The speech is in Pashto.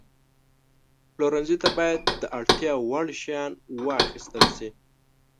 پلورنځي ته باید د اړتیا وړ شیان واخیستل شي.